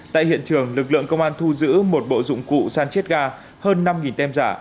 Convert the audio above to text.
tại hiện trường lực lượng công an thu giữ một bộ dụng cụ san chiết ga hơn năm tem giả